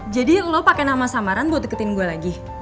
jadi lo pake nama samaran buat deketin gue lagi